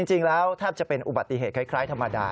จริงแล้วแทบจะเป็นอุบัติเหตุคล้ายธรรมดา